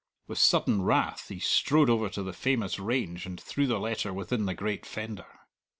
With sudden wrath he strode over to the famous range and threw the letter within the great fender.